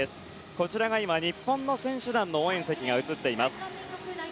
こちらが今、日本の選手団の応援席が映っています。